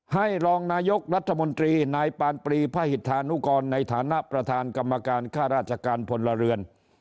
รองนายกรัฐมนตรีนายปานปรีพระหิตธานุกรในฐานะประธานกรรมการค่าราชการพลเรือน